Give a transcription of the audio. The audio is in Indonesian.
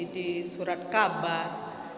di surat kabar